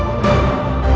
masih masih yakin